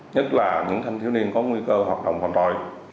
nhất là những thanh thiếu niên có nguy cơ hoạt động hoàn toàn